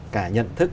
cả nhận thức